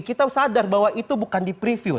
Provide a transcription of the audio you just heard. kita sadar bahwa itu bukan di preview